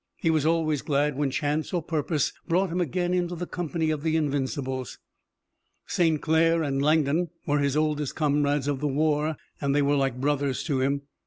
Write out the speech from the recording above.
He was always glad when chance or purpose brought him again into the company of the Invincibles. St. Clair and Langdon were his oldest comrades of the war, and they were like brothers to him.